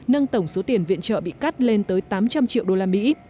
nâng tổng số tiền viện trợ bị cắt lên tới tám trăm linh triệu đô la mỹ